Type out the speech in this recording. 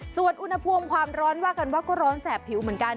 ส่วนอุณหภูมิความร้อนว่ากันว่าก็ร้อนแสบผิวเหมือนกัน